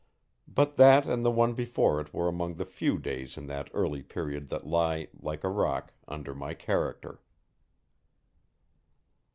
But that and the one before it were among the few days in that early period that lie, like a rock, under my character.